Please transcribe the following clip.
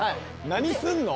何するの？